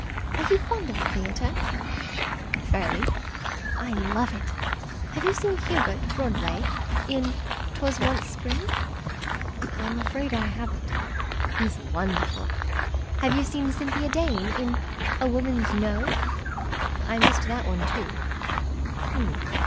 Are you fond of the theatre?" "Fairly." "I love it. Have you seen Hubert Broadleigh in ''Twas Once in Spring'?" "I'm afraid I haven't." "He's wonderful. Have you seen Cynthia Dane in 'A Woman's No'?" "I missed that one too."